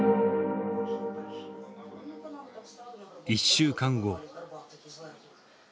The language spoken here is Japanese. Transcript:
１週間後。